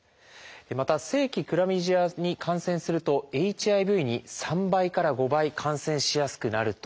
また性器クラミジアに感染するとＨＩＶに３倍から５倍感染しやすくなるといわれています。